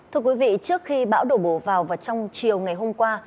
thưa quý vị trước khi bão đổ bổ vào vào trong chiều ngày hôm qua